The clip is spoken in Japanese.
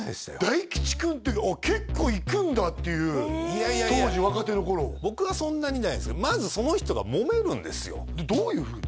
大吉君って結構いくんだっていう当時若手の頃僕はそんなにないですけどまずどういうふうに？